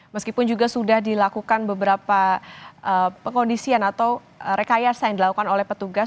meskipun juga sudah dilakukan beberapa pengkondisian atau rekayasa yang dilakukan oleh petugas